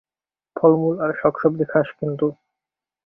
ফলমূল আর শাক-সবজি খাস কিন্তু!